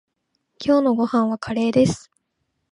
今日のご飯はカレーです。